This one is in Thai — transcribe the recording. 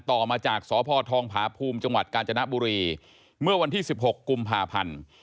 ต่อมาจากสพทองผาภูมิจังหวัดกาญจนบุรีเมื่อวันที่๑๖กุมภาพันธ์